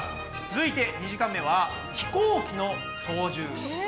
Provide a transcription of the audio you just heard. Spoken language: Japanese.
続いて２時間目は「飛行機の操縦」。